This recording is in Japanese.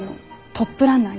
トップランナー。